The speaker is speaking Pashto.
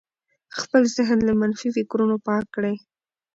خپل ذهن له منفي فکرونو پاک کړئ.